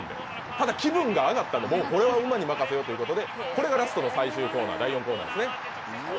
ただ、気分が上がったら、これは馬に任せようということでこれがラストの最終コーナー第４コーナーですね。